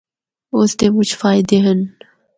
اس دی مُچ فائدے ہن۔